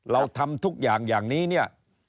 เราทำทุกอย่างอย่างนี้เนี่ย